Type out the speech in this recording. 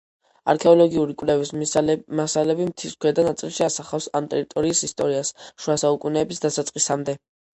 არქეოლოგიური კვლევის მასალები მთის ქვედა ნაწილში ასახავს ამ ტერიტორიის ისტორიას შუა საუკუნეების დასაწყისამდე.